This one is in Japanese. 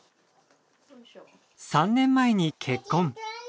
３年前に結婚。